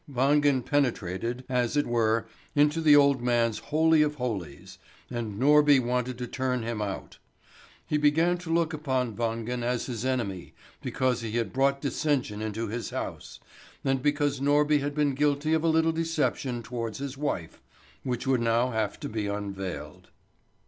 Wangen penetrated, as it were, into the old man's holy of holies, and Norby wanted to turn him out. He began to look upon Wangen as his enemy because he had brought dissension into his house, and because Norby had been guilty of a little deception towards his wife, which would now have to be unveiled.